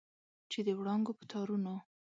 چې د وړانګو په تارونو